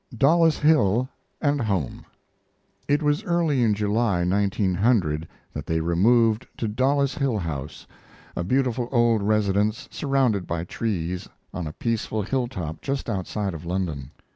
DOLLIS HILL AND HOME It was early in July, 1900, that they removed to Dollis Hill House, a beautiful old residence surrounded by trees on a peaceful hilltop, just outside of London.